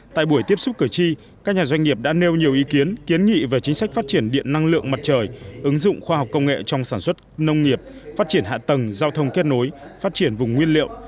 tại buổi tiếp xúc cử tri các nhà doanh nghiệp đã nêu nhiều ý kiến kiến nghị về chính sách phát triển điện năng lượng mặt trời ứng dụng khoa học công nghệ trong sản xuất nông nghiệp phát triển hạ tầng giao thông kết nối phát triển vùng nguyên liệu